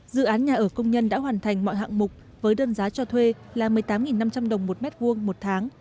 dự án nhà ở công nhân đã hoàn thành mọi hạng mục với đơn giá cho thuê là một mươi tám năm trăm linh đồng một mét vuông một tháng